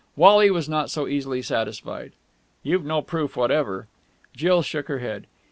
Wally was not so easily satisfied. "You've no proof whatever...." Jill shook her head.